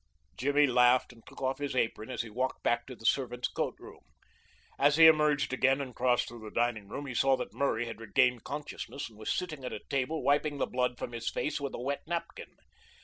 Jimmy laughed and took off his apron as he walked back to the servants' coat room. As he emerged again and crossed through the dining room he saw that Murray had regained consciousness and was sitting at a table wiping the blood from his face with a wet napkin.